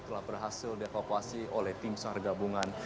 telah berhasil dievakuasi oleh tim seharga bungan